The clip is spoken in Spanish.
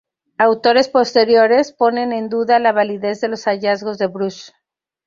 Autores posteriores ponen en duda la validez de los hallazgos de Brush.